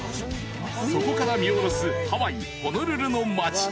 ［そこから見下ろすハワイホノルルの街］